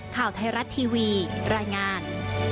ข่าวไทยรัฐทีวีรายงาน